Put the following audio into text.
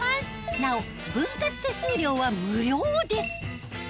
なお分割手数料は無料です